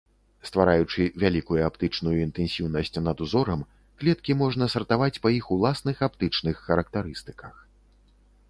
Ствараючы вялікую аптычную інтэнсіўнасць над узорам, клеткі можна сартаваць па іх уласных аптычных характарыстыках.